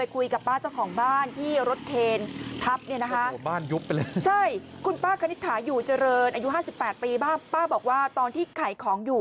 คุณป้าคณิตถาอยู่เจริญอายุ๕๘ปีป้าบอกว่าตอนที่ขายของอยู่